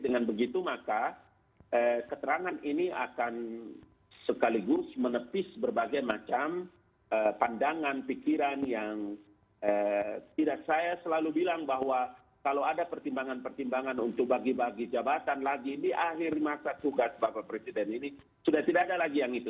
dengan begitu maka keterangan ini akan sekaligus menepis berbagai macam pandangan pikiran yang tidak saya selalu bilang bahwa kalau ada pertimbangan pertimbangan untuk bagi bagi jabatan lagi di akhir masa tugas bapak presiden ini sudah tidak ada lagi yang itu